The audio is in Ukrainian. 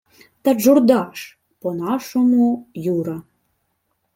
— Та Джурджа ж. По-нашому Юра.